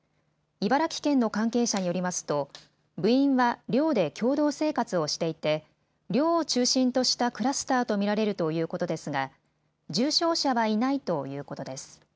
茨城県の関係者によりますと部員は寮で共同生活をしていて寮を中心としたクラスターと見られるということですが、重症者はいないということです。